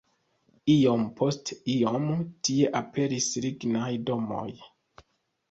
Iom post iom tie aperis lignaj domoj.